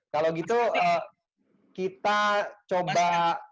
kalau gitu kita coba